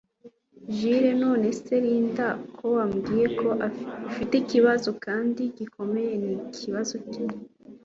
Jule none se Linda ko wambwiye ko ufitikibazo kandi gikomeye ni kibazo ki